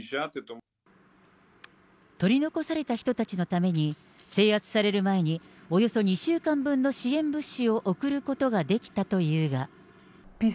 取り残された人たちのために、制圧される前におよそ２週間分の支援物資を送ることができたというが。